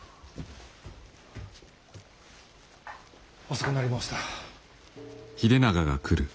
遅くなり申した。